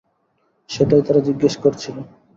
সেটাই তারা জিজ্ঞেস করছিলো।